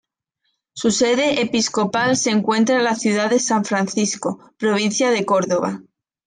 Su sede episcopal se encuentra en la ciudad de San Francisco, provincia de Córdoba.